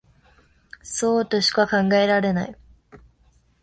そうとしか考えられない